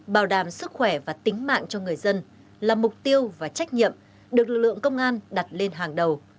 bảo đảm sức khỏe và tính mạng cho người dân là mục tiêu và trách nhiệm được lực lượng công an đặt lên hàng đầu